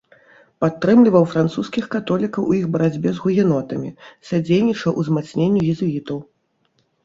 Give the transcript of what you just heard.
Падтрымліваў французскіх католікаў у іх барацьбе з гугенотамі, садзейнічаў узмацненню езуітаў.